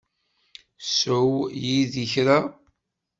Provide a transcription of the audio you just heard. Sew yid-i kra.